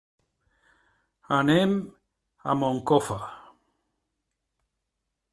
Anem a Moncofa.